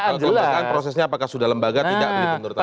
kalau kelembagaan prosesnya apakah sudah lembaga tidak